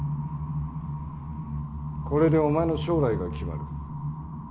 これでお前の将来が決まる。